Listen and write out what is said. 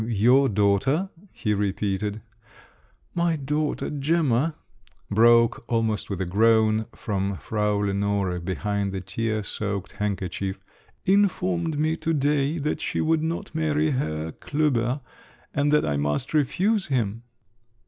"Your daughter?" he repeated. "My daughter, Gemma," broke almost with a groan from Frau Lenore, behind the tear soaked handkerchief, "informed me to day that she would not marry Herr Klüber, and that I must refuse him!"